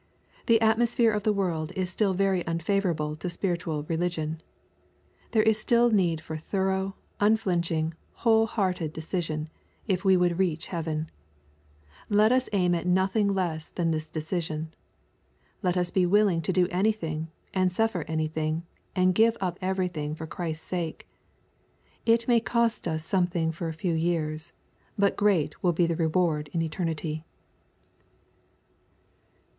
The atmosphere of the world is still very unfavorable to spiritual religion. There is still need. for thorough, un flinching, whole hearted decision, if we would reach heaven. Let us aim at nothing less than this decision. Let us be willing to do anything, and suffer anything: and give up everything for Christ's sake. It may cost us something for a few years, but great will bo the re ward in eternity.